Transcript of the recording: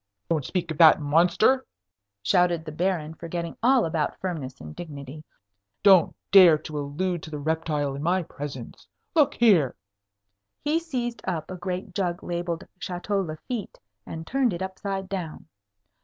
"Don't speak of that monster!" shouted the Baron, forgetting all about firmness and dignity. "Don't dare to allude to the reptile in my presence. Look here!" He seized up a great jug labelled "Château Lafitte," and turned it upside down.